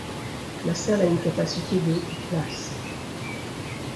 La salle a une capacité de places.